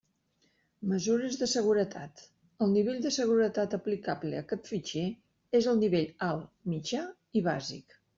Mesures de seguretat: el nivell de seguretat aplicable a aquest fitxer és el nivell alt, mitjà i bàsic.